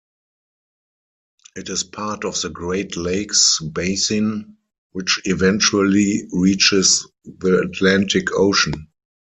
It is part of the Great Lakes Basin, which eventually reaches the Atlantic Ocean.